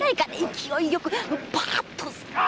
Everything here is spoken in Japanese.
勢いよくパーッと！